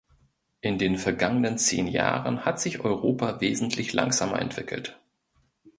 In den vergangenen zehn Jahren hat sich Europa wesentlich langsamer entwickelt.